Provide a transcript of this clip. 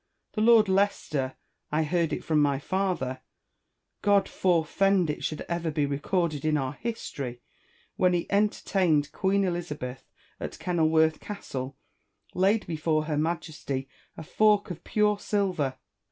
The Lord Leicester, I heard it from my father — God forefend it should ever be recorded in our history !— when he entertained Queen Elizabeth at Konil worth Castle, laid before Her Majesty a fork of pure silver.